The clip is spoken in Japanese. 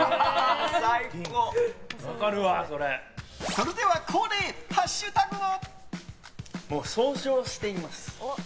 それでは恒例、ハッシュタグを。